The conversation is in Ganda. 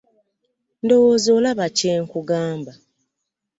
Ndowooza olaba kye nakugamba.